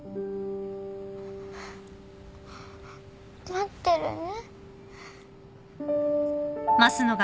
待ってるね。